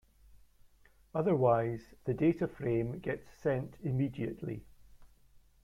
Otherwise, the data frame gets sent immediately.